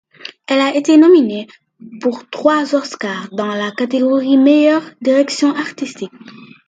Il a été nominé pour trois Oscars dans la catégorie Meilleure direction artistique.